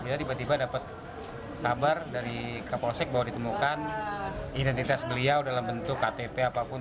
dia tiba tiba dapat kabar dari kapolsek bahwa ditemukan identitas beliau dalam bentuk ktp apapun